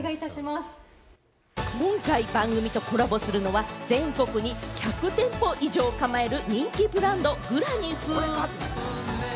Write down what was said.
今回番組とコラボするのは、全国に１００店舗以上を構える人気ブランド・ｇｒａｎｉｐｈ。